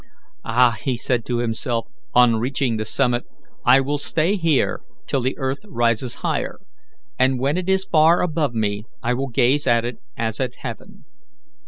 "Ah!" he said to himself, on reaching the summit, "I will stay here till the earth rises higher, and when it is far above me I will gaze at it as at heaven."